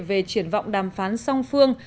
về triển vọng đàm phán song phương